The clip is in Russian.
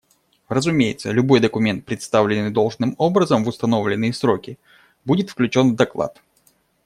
Разумеется, любой документ, представленный должным образом в установленные сроки, будет включен в доклад.